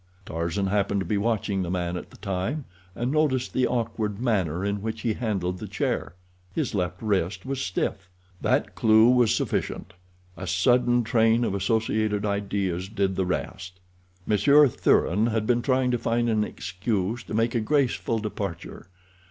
Tarzan happened to be watching the man at the time, and noticed the awkward manner in which he handled the chair—his left wrist was stiff. That clew was sufficient—a sudden train of associated ideas did the rest. Monsieur Thuran had been trying to find an excuse to make a graceful departure.